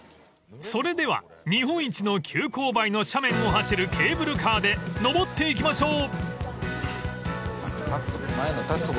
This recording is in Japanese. ［それでは日本一の急勾配の斜面を走るケーブルカーでのぼっていきましょう］